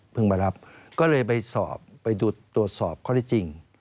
มารับก็เลยไปสอบไปดูตรวจสอบข้อได้จริง